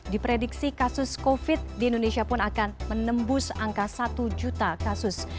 diprediksi kasus covid di indonesia pun akan menembus angka satu juta kasus